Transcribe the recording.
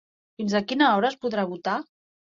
Fins a quina hora es podrà votar?